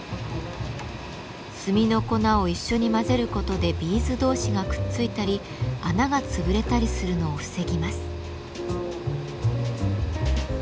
炭の粉を一緒に混ぜることでビーズ同士がくっついたり穴が潰れたりするのを防ぎます。